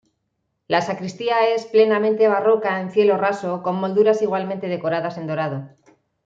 La sacristía es plenamente barroca en cielo raso con molduras igualmente decoradas en dorado.